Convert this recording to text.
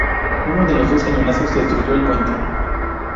Uno de los cañonazos destruyó el puente.